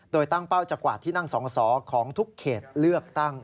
โดยตั้งเป้าจะกวาดที่นั่งสอสอของทุกเขตเลือกตั้ง